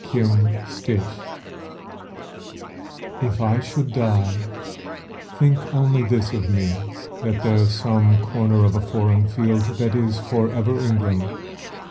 The Soldier If I should die, think only this of me: That there's some corner of a foreign field That is for ever England.